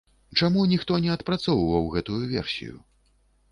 Чаму ніхто не адпрацоўваў гэтую версію?